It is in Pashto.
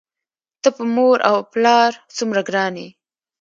ته په مور و پلار څومره ګران یې؟!